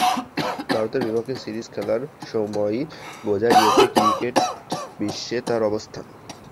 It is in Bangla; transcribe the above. ভারতের বিপক্ষে সিরিজ খেলার সময়ই বোঝা গিয়েছে ক্রিকেট বিশ্বে তাঁর অবস্থান।